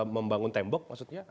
membangun tembok maksudnya